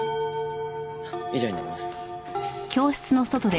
以上になります。